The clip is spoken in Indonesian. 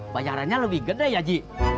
bayarannya lebih gede ya ji